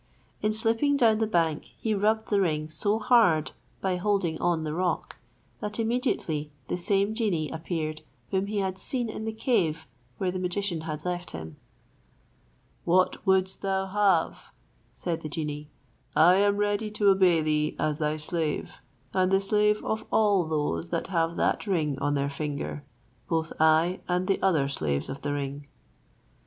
In slipping down the bank he rubbed the ring so hard by holding on the rock, that immediately the same genie appeared whom he had seen in the cave where the magician had left him. "What wouldst thou have?" said the genie. "I am ready to obey thee as thy slave, and the slave of all those that have that ring on their finger; both I and the other slaves of the ring."